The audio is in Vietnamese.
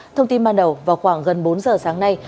thông tin ban đầu vào khoảng gần bốn giờ sáng nay